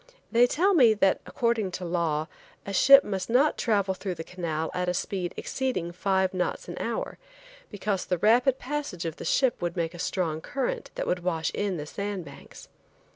They tell me, that according to law, a ship must not travel through the canal at a speed exceeding five knots an hour, because a rapid passage of the ship would make a strong current that would wash in the sand banks.